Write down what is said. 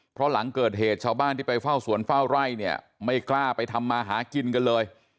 เพราะหลังเกิดเหตุชาวบ้านที่ไปเฝ้าสวนเฝ้าไร่เนี่ยไม่กล้าไปทำมาหากินกันเลย